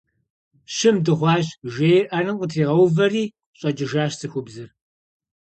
Щым дыхъуащ, шейр Ӏэнэм къытригъэувэри, щӀэкӀыжащ цӀыхубзыр.